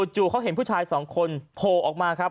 จู่เขาเห็นผู้ชายสองคนโผล่ออกมาครับ